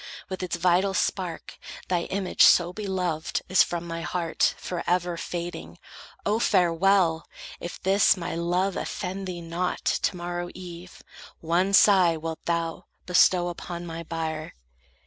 With its vital spark Thy image so beloved is from my heart Forever fading. Oh, farewell! If this, My love offend thee not, to morrow eve One sigh wilt thou bestow upon my bier."